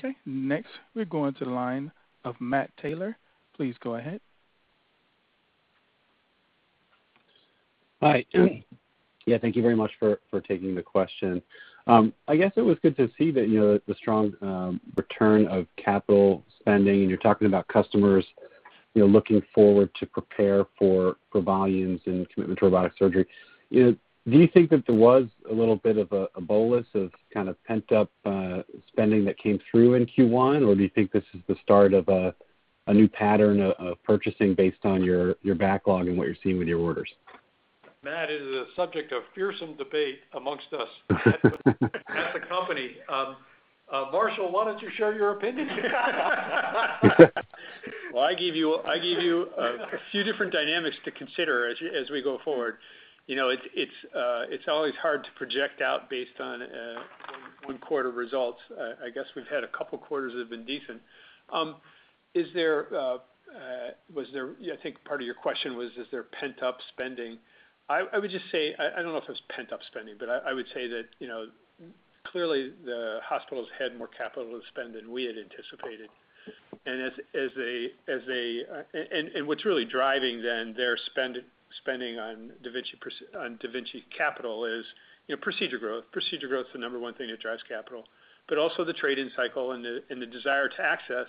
Okay. Next, we're going to the line of Matt Taylor. Please go ahead. Hi. Yeah, thank you very much for taking the question. I guess it was good to see the strong return of capital spending, and you're talking about customers looking forward to prepare for volumes and commitment to robotic surgery. Do you think that there was a little bit of a bolus of kind of pent-up spending that came through in Q1? Do you think this is the start of a new pattern of purchasing based on your backlog and what you're seeing with your orders? Matt, it is a subject of fearsome debate amongst us at the company. Marshall, why don't you share your opinion? Well, I give you a few different dynamics to consider as we go forward. It's always hard to project out based on one quarter results. I guess we've had a couple of quarters that have been decent. I think part of your question was, is there pent-up spending? I would just say, I don't know if it was pent-up spending, I would say that clearly the hospitals had more capital to spend than we had anticipated. What's really driving then their spending on da Vinci capital is procedure growth. Procedure growth's the number one thing that drives capital. Also the trade-in cycle and the desire to access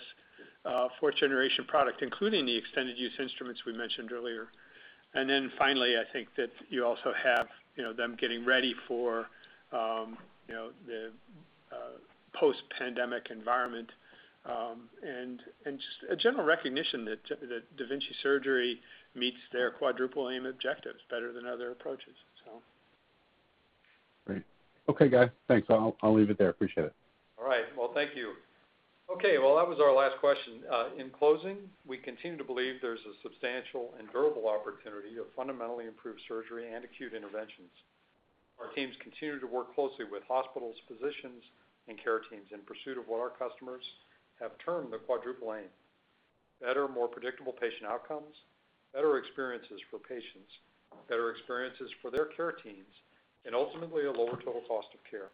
fourth generation product, including the extended use instruments we mentioned earlier. Finally, I think that you also have them getting ready for the post-pandemic environment. Just a general recognition that da Vinci surgery meets their quadruple aim objectives better than other approaches. Great. Okay, guys. Thanks. I'll leave it there. Appreciate it. All right. Well, thank you. Okay. Well, that was our last question. In closing, we continue to believe there's a substantial and durable opportunity to fundamentally improve surgery and acute interventions. Our teams continue to work closely with hospitals, physicians, and care teams in pursuit of what our customers have termed the quadruple aim. Better, more predictable patient outcomes, better experiences for patients, better experiences for their care teams, and ultimately, a lower total cost of care.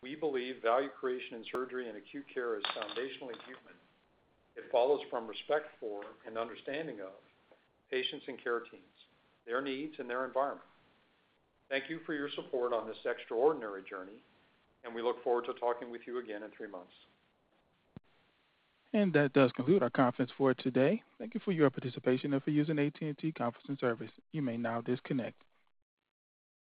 We believe value creation in surgery and acute care is foundationally human. It follows from respect for and understanding of patients and care teams, their needs, and their environment. Thank you for your support on this extraordinary journey, and we look forward to talking with you again in three months. That does conclude our conference for today. Thank you for your participation and for using AT&T Conference Service. You may now disconnect.